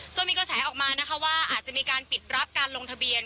มีกระแสออกมานะคะว่าอาจจะมีการปิดรับการลงทะเบียน